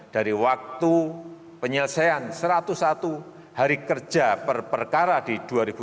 dari waktu penyelesaian satu ratus satu hari kerja per perkara di dua ribu dua puluh